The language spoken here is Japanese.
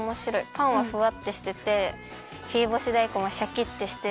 パンはふわってしてて切りぼしだいこんはシャキってしてるから。